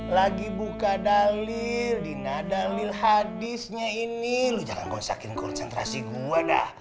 lagi buka dalil dinadalil hadisnya ini lu jangan konsakin konsentrasi gua dah